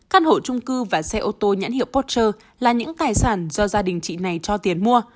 căn hộ trung cư và xe ô tô nhãn hiệu pocher là những tài sản do gia đình chị này cho tiền mua